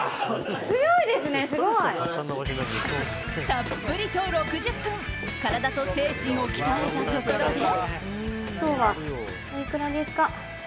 たっぷりと６０分体と精神を鍛えたところで。